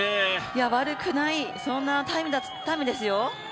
悪くない、そんなタイムですよ。